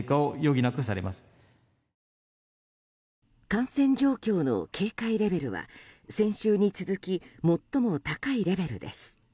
感染状況の警戒レベルは先週に続き最も高いレベルです。